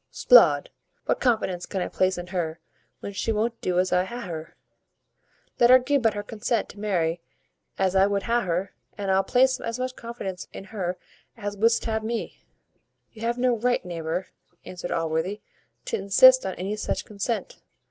"'Sblood! what confidence can I place in her, when she won't do as I would ha' her? Let her gi' but her consent to marry as I would ha' her, and I'll place as much confidence in her as wouldst ha' me." "You have no right, neighbour," answered Allworthy, "to insist on any such consent.